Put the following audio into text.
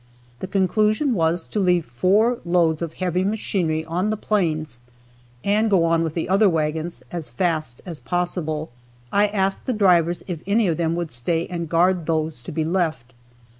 The conclusion was to leave four loads of heavy machinery on the plains and go on with the other wagons as fast as possible. I asked the drivers if any of them would stay and guard those to be left.